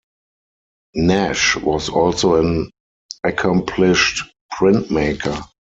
Nash was also an accomplished printmaker.